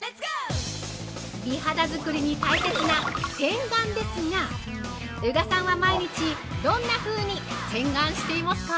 美肌作りに大切な洗顔ですが宇賀さんは、毎日、どんなふうに洗顔していますか？